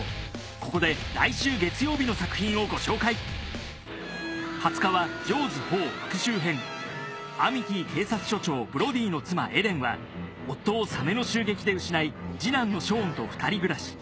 ここで来週月曜日の作品をご紹介アミティー警察署長ブロディの妻エデンは夫をサメの襲撃で失い次男のショーンと２人暮らし。